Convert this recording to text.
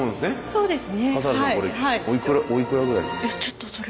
そうですね。